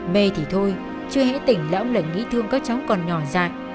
mê thì thôi chứ hãy tỉnh lẫm lẩn nghĩ thương các cháu còn nhỏ dại